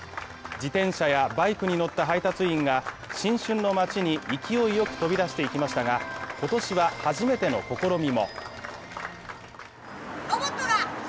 自転車やバイクに乗った配達員が新春の街に勢いよく飛び出していきましたが、今年は初めての試みも。